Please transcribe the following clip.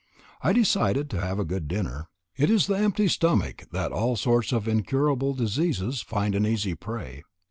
I decided to have a good dinner it is the empty stomach that all sorts of incurable diseases find an easy prey.